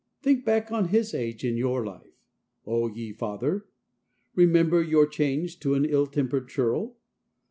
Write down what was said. Think back on his age in your life, oh, ye father; remember your change to an ill tempered churl.